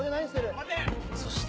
待て！